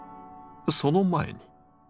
その前に。